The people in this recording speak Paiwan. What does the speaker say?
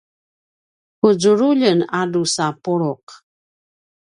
ku zululjen a drusa puluq